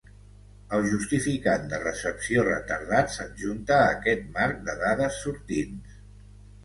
El justificant de recepció retardat s'adjunta a aquest marc de dades sortints.